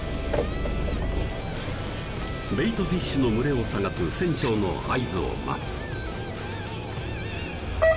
ベイトフィッシュの群れを探す船長の合図を待つ